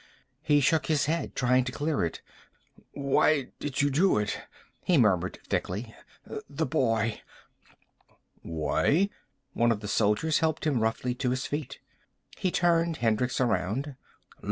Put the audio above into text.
He shook his head, trying to clear it. "Why did you do it?" he murmured thickly. "The boy." "Why?" One of the soldiers helped him roughly to his feet. He turned Hendricks around.